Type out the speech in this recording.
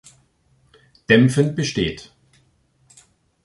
Dämpfen besteht.